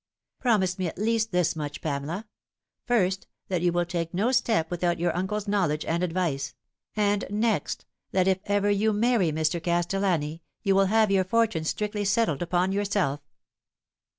"" Promise me at least this much, Pamela. First, that you will take no step without your uncle's knowledge and advice ; and next, that if ever you marry Mr. Castellani, you will have your fortune strictly settled upon yourself."